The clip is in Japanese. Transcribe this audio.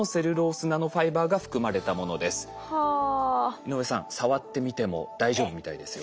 井上さん触ってみても大丈夫みたいですよ。